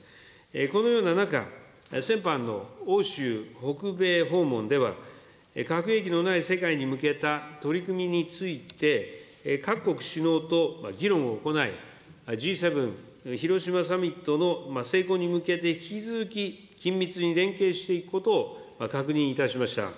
このような中、先般の欧州北米訪問では、核兵器のない世界に向けた取り組みについて、各国首脳と議論を行い、Ｇ７広島サミットの成功に向けて、引き続き緊密に連携していくことを確認いたしました。